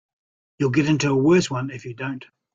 You'll get into a worse one if you don't.